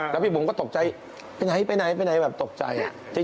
แล้วพี่บุ๋มก็ตกใจไปไหนแบบตกใจ